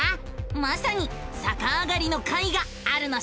まさにさかあがりの回があるのさ！